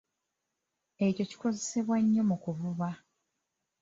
Ekyo kikozesebwa nnyo mu kuvuba.